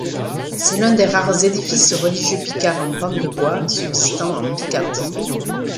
C'est l'un des rares édifices religieux picards en pan de bois subsistant en Picardie.